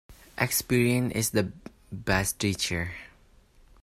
Experience is the best teacher.